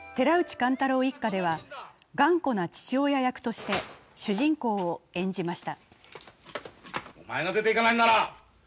貫太郎一家」では頑固な父親役として主人公を演じました。